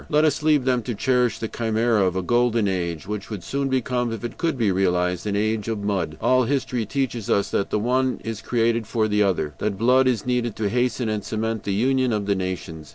Let us leave them to cherish the chimera of a golden age, which would soon become, if it could be realized, an age of mud. All history teaches us that the one is created for the other, that blood is needed to hasten and cement the union of the nations.